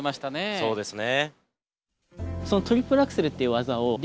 そうですね。